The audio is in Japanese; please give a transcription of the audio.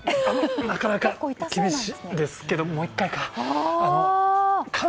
なかなか厳しいんですがもう１回か。